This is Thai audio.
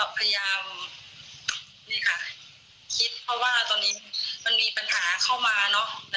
พยายามนี่ค่ะคิดเพราะว่าตอนนี้มันมีปัญหาเข้ามาเนอะ